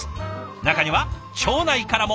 中には町内からも！